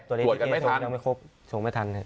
ตรวจกันไม่ทัน